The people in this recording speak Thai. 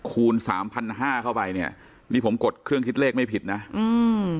คูณสามพันห้าเข้าไปเนี้ยนี่ผมกดเครื่องคิดเลขไม่ผิดนะอืม